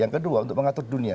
yang kedua untuk mengatur dunia